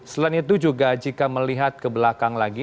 selain itu juga jika melihat ke belakang lagi